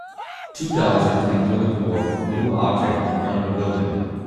Two dogs are playing tugofwar with a blue object in front of a building